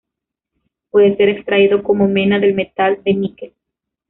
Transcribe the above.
Puede ser extraído como mena del metal de níquel.